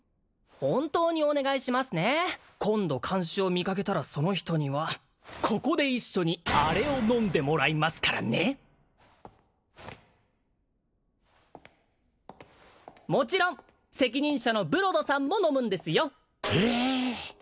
本当にお願いしますね今度監視を見かけたらその人にはここで一緒にアレを飲んでもらいますからねもちろん責任者のブロドさんも飲むんですよええ！